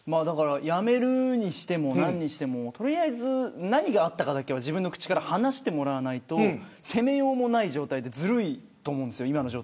辞めるにしても何にしても何があったかだけは自分の口から話してもらわないと責めようのない状態で今の状態ずるいと思うんです。